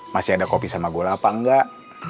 masih ada kopi sama gula apa enggak